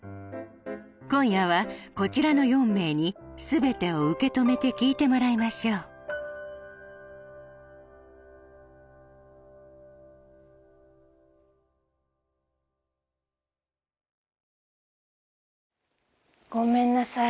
今夜はこちらの４名に全てを受け止めて聞いてもらいましょうごめんなさい